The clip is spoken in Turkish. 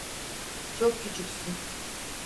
Çok küçüksün.